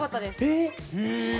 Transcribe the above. えっ！